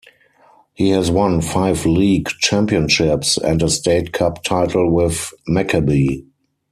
He has won five league championships and a State Cup title with Maccabi.